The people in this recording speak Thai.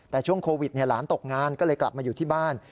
แต่ช่วงโควิดหลานตกงานก็เลยกลับมาอยู่ที่บ้าน